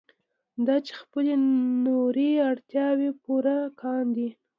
دا چې خپلې نورې اړتیاوې پوره کاندي.